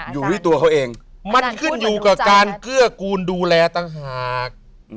อยู่ที่ตัวเขาเองมันขึ้นอยู่กับการเกื้อกูลดูแลต่างหาก